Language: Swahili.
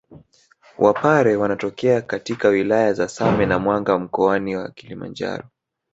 Wapare wanatokea katika wilaya za Same na Mwanga mkoani wa Kilimanjaro